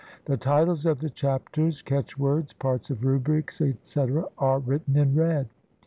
The titles of the Chapters, catch words, parts of Rubrics, etc., are written in red.